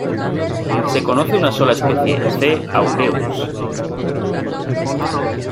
Se conoce una sola especie, "C. aureus".